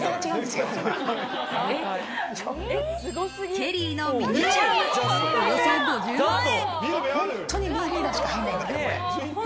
ケリーのミニチャーム、およそ５０万円。